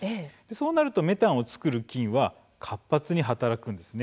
そうなるとメタンを作る菌は活発に働くんです。